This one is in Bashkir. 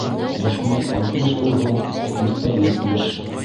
Дошман алтмыш булһа, дуҫтар етмеш.